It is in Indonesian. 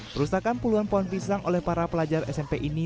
perusakan puluhan pohon pisang oleh para pelajar smp ini